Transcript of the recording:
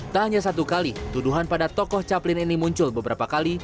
tak hanya satu kali tuduhan pada tokoh caplin ini muncul beberapa kali